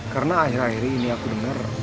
karena akhir akhir ini aku denger